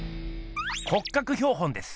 骨格標本です。